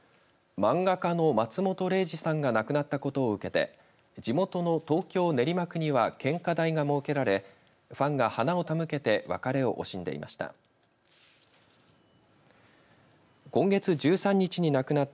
漫画家の松本零士さんが亡くなったことを受けて地元の東京練馬区には献花台が設けられファンが花を手向けて別れを惜しんでいました。